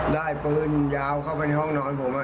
ได้ปืนยาวเข้าไปในห้องนอนผม